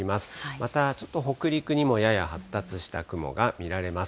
またちょっと北陸にもやや発達した雲が見られます。